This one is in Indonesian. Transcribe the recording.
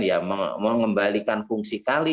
ya mengembalikan fungsi kali